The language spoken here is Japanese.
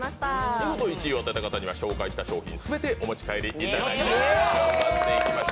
見事１位を当てた方には紹介した商品全てお持ち帰りいただきます。